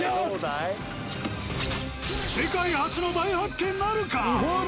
世界初の大発見なるか？